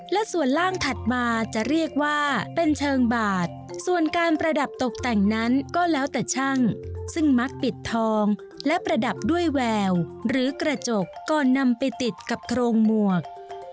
และส่วนล่างถัดมาจะเรียกว่าเป็นเชิงบาดส่วนการประดับตกแต่งนั้นก็แล้วแต่ช่างซึ่งมักปิดทองและประดับด้วยแววหรือกระจกก่อนนำไปติดกับโครงหมวก